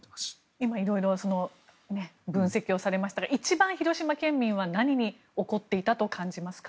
今色々分析をされましたが一番、広島県民は何に怒っていたと感じますか？